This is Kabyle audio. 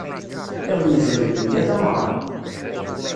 Iḍ yezrin, nga tameɣra.